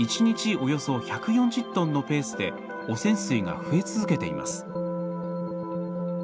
およそ１４０トンのペースで汚染水が増え続けています。